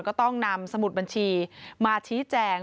ก็ต้องนำสมุดบัญชีมาชี้แจง